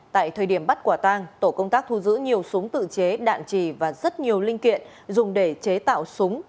tại thời điểm bắt quả tang tổ công tác thu giữ nhiều súng tự chế đạn trì và rất nhiều linh kiện dùng để chế tạo súng